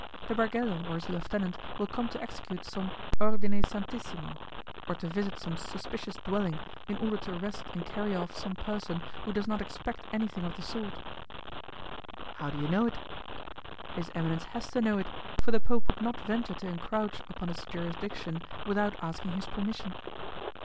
"The bargello or his lieutenant will come to execute some 'ordine santissimo', or to visit some suspicious dwelling in order to arrest and carry off some person who does not expect anything of the sort." "How do you know it?" "His eminence has to know it, for the Pope would not venture to encroach upon his jurisdiction without asking his permission."